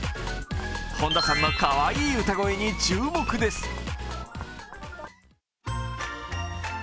本田さんのかわいい歌声に注目です。